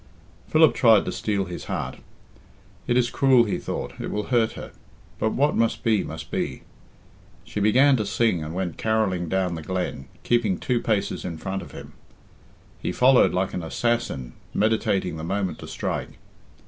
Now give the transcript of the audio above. Philip tried to steel his heart. "It is cruel," he thought, "it will hurt her; but what must be, must be." She began to sing and went carolling down the glen, keeping two paces in front of him. He followed like an assassin meditating the moment to strike.